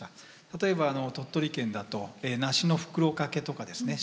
例えば鳥取県だと梨の袋掛けとかですね